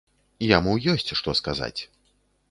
Яму ёсць што сказаць.